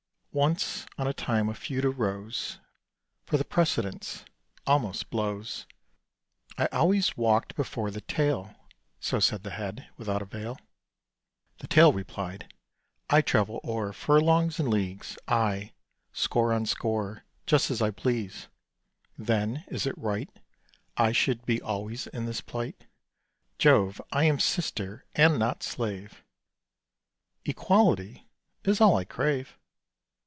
Once on a time a feud arose For the precedence almost blows. "I always walked before the Tail," So said the Head, without avail. The Tail replied, "I travel o'er Furlongs and leagues ay, score on score Just as I please. Then, is it right I should be always in this plight? Jove! I am sister, and not slave: Equality is all I crave.